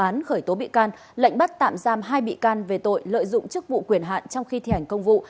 khởi tố vụ án khởi tố bị can lệnh bắt tạm giam hai bị can về tội lợi dụng chức vụ quyền hạn trong khi thi hành công vụ